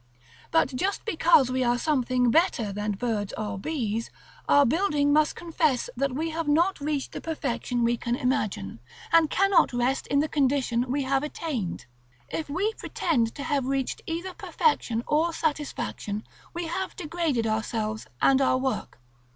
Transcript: But just because we are something better than birds or bees, our building must confess that we have not reached the perfection we can imagine, and cannot rest in the condition we have attained. If we pretend to have reached either perfection or satisfaction, we have degraded ourselves and our work.